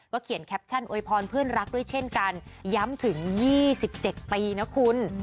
เขียนแคปชั่นอวยพรเพื่อนรักด้วยเช่นกันย้ำถึง๒๗ปีนะคุณ